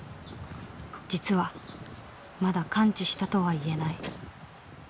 実はまだ完治したとは言えない。